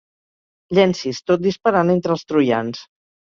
Llencis, tot disparant entre els troians.